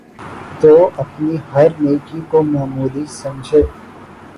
تو اپنی ہر نیکی کو معمولی سمجھے